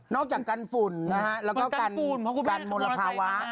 จากกันฝุ่นนะฮะแล้วก็กันมลภาวะ